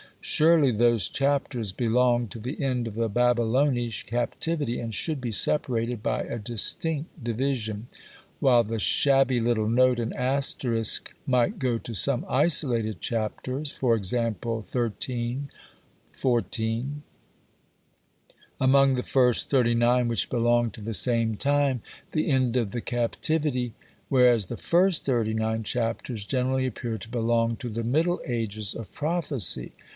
Surely those chapters belong to the end of the Babylonish Captivity and should be separated by a distinct division; while the shabby little note and asterisk might go to some isolated chapters (e.g. xiii., xiv.) among the first 39 which belong to the same time, the end of the Captivity whereas the first 39 chapters (generally) appear to belong to the "Middle Ages" of Prophecy.